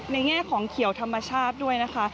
แง่ของเขียวธรรมชาติด้วยนะคะ